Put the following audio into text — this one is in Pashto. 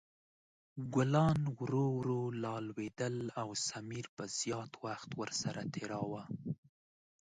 ګلان ورو ورو لا لویدل او سمیر به زیات وخت ورسره تېراوه.